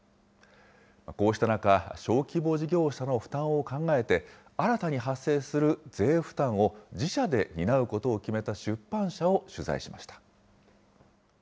こうした中、小規模事業者の負担を考えて、新たに発生する税負担を自社で担うことを決めた出版社を取材しました。